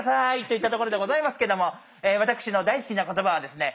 といったところでございますけども私の大好きな言葉はですね